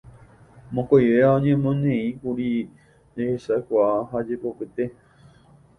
Mokõivéva oñemoneíkuri jehechakuaa ha jepopetépe.